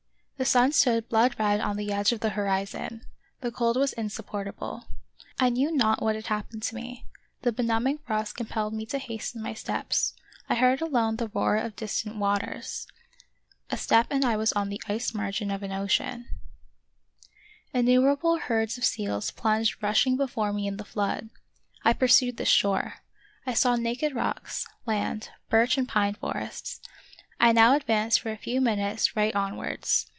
The sun stood blood red on the edge of the horizon. The cold was insupportable. I knew not what had happened to me ; the benumbing frost compelled me to hasten my steps; I heard alone the roar of distant waters; a step and I was on the ice margin of an ocean. loo The Wonderful History Innumerable herds of seals plunged rushing be fore me in the flood. I pursued this shore. I saw naked rocks, land, birch and pine forests. I now advanced for a few minutes right on wards.